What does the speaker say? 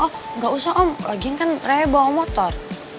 oh nggak usah om lagi kan raya bawa motor